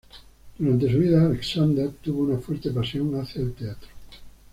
Durante su vida, Aleksander tuvo una fuerte pasión hacia el teatro.